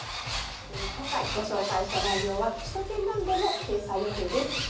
今回ご紹介した内容は首都圏ナビでも掲載予定です。